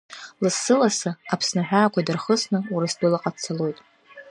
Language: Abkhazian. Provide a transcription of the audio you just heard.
Лассы-лассы, Аԥсны аҳәаақәа дырхысны, Урыстәылаҟа дцалоит.